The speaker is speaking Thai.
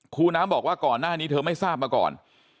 ครูน้ำบอกว่าก่อนหน้านี้เธอไม่ทราบมาก่อน